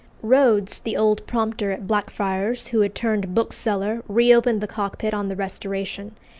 Rhodes, the old prompter at Blackfriars, who had turned bookseller, reopened the Cockpit on the Restoration.